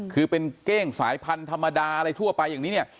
คือเป็นเก้งสายพันธุ์ธรรมดาอะไรทั่วไปอย่างนี้เนี่ย